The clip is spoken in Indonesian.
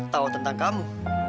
tahu tentang kamu